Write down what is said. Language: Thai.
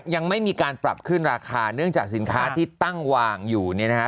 ยังไม่มีการปรับขึ้นราคาเนื่องจากสินค้าที่ตั้งวางอยู่เนี่ยนะฮะ